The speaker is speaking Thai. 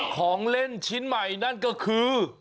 ของเล่นชิ้นใหม่นั่นก็คือ